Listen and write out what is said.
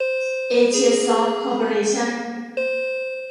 เอเชียซอฟท์ คอร์ปอเรชั่น